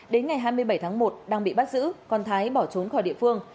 đến ngày hai mươi bảy tháng một đang bị bắt giữ còn thái bỏ trốn khỏi địa phương